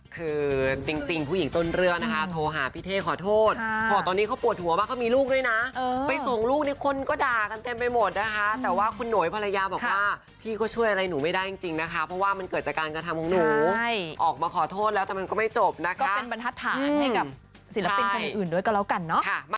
คือจริงผู้หญิงต้นเรื่องนะคะโทรหาพี่เท่ขอโทษบอกตอนนี้เขาปวดหัวมากเขามีลูกด้วยนะไปส่งลูกนี่คนก็ด่ากันเต็มไปหมดนะคะแต่ว่าคุณหวยภรรยาบอกว่าพี่ก็ช่วยอะไรหนูไม่ได้จริงนะคะเพราะว่ามันเกิดจากการกระทำของหนูออกมาขอโทษแล้วแต่มันก็ไม่จบนะคะก็เป็นบรรทัดฐานให้กับศิลปินคนอื่นด้วยก็แล้วกันเนอะ